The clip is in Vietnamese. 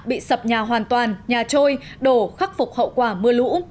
bị sập nhà hoàn toàn nhà trôi đổ khắc phục hậu quả mưa lũ